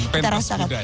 dan pentas budaya